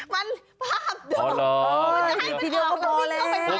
ไม่ใช่มันภาพดูมันจะให้มันออกมิ้งเข้าไป